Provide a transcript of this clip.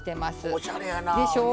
おしゃれやなぁ。でしょう。